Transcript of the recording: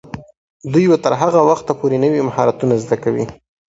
دوی به تر هغه وخته پورې نوي مهارتونه زده کوي.